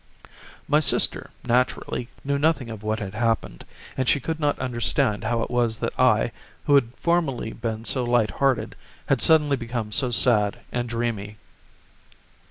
My sister, naturally, knew nothing of what had happened, and she could not understand how it was that I, who had formerly been so lighthearted, had suddenly become so sad and dreamy.